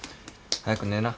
早く寝な。